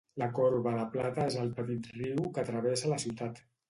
La corba de plata és el petit riu que travessa la ciutat.